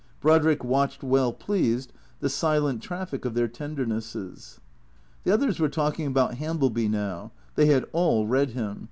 Brodrick watched, well pleased, the silent traffic of their tender nesses. The others were talking about Hambleby now. They had all read him.